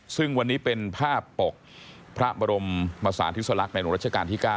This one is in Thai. ซึ่งวันนี้เป็นภาพปกพระบรมมสาธิสลักษณ์ในหลวงรัชกาลที่๙